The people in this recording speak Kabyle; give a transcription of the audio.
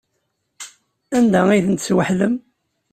Anda ay tent-tesweḥlem?